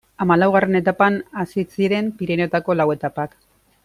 Hamalaugarren etapan hasi ziren Pirinioetako lau etapak.